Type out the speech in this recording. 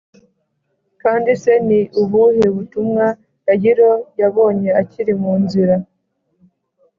kandi se ni ubuhe butumwa Yayiro yabonye akiri mu nzira